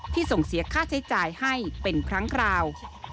ส่งเสียค่าใช้จ่ายให้เป็นครั้งคราว